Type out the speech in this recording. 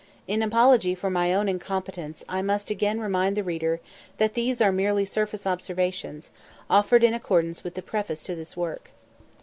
In apology for my own incompetence, I must again remind the reader that these are merely surface observations, offered in accordance with the preface to this work.